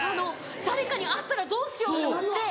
誰かに会ったらどうしようって思って。